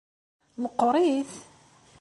Meqqrit?